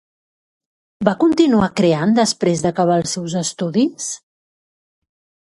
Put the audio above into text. Va continuar creant després d'acabar els seus estudis?